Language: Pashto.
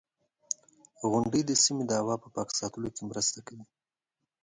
• غونډۍ د سیمې د هوا پاک ساتلو کې مرسته کوي.